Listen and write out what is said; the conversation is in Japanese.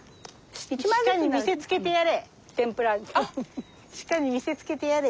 鹿に見せつけてやれ。